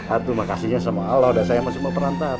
atuh makasihnya sama allah dan saya sama semua perantara